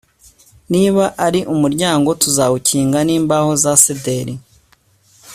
niba ari umuryango tuzawukinga n'imbaho za sederi